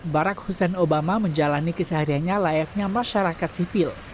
barak hussein obama menjalani kesehariannya layaknya masyarakat sipil